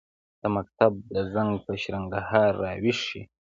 د مکتب د زنګ، په شرنګهار راویښ شي